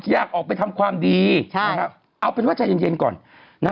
อยากออกไปทำความดีนะครับเอาเป็นว่าใจเย็นก่อน